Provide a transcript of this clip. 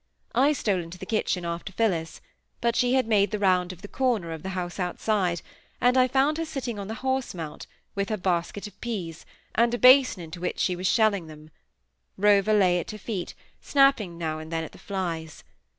I stole into the kitchen after Phillis; but she had made the round of the corner of the house outside, and I found her sitting on the horse mount, with her basket of peas, and a basin into which she was shelling them. Rover lay at her feet, snapping now and then at the flies.